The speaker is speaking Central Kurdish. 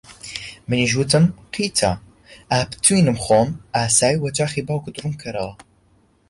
منیش وتم: قیتە! ئا بتوینم خۆم ئاسایی وەجاخی باوکت ڕوون کەرەوە